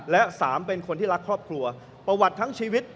และ๓เป็นคนที่รักครอบครัวประวัติทั้งชีวิต